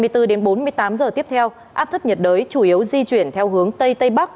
hai mươi bốn đến bốn mươi tám giờ tiếp theo áp thấp nhiệt đới chủ yếu di chuyển theo hướng tây tây bắc